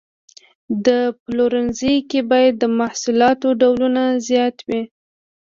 په پلورنځي کې باید د محصولاتو ډولونه زیات وي.